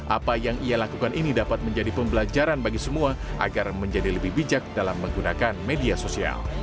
apa yang ia lakukan ini dapat menjadi pembelajaran bagi semua agar menjadi lebih bijak dalam menggunakan media sosial